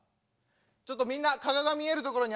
ちょっとみんな加賀が見えるところに集まれ。